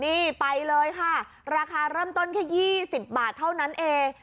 นี่ไปเลยค่ะราคารับต้นไข้ยี่สิบบาทเท่านั้นเอง